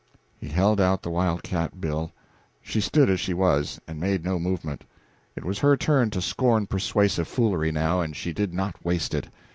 He held out the wild cat bill; she stood as she was, and made no movement. It was her turn to scorn persuasive foolery, now, and she did not waste it.